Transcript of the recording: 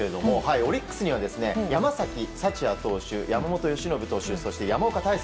オリックスには山崎福也投手、山本由伸投手山岡泰輔